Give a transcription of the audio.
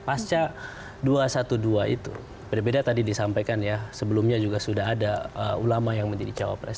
pasca dua ratus dua belas itu berbeda beda tadi disampaikan ya sebelumnya juga sudah ada ulama yang menjadi cawapres